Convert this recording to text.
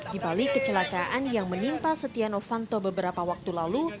di balik kecelakaan yang menimpa setonovato beberapa waktu lalu